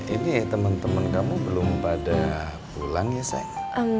ini temen temen kamu belum pada pulang ya sayang